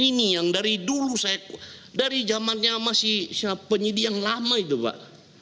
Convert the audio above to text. ini yang dari dulu saya dari zaman nyamah si penyidik yang lama itu pak